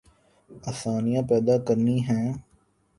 آسانیاں پیدا کرنی ہیں۔